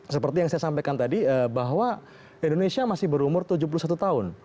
seperti yang saya sampaikan tadi bahwa indonesia masih berumur tujuh puluh satu tahun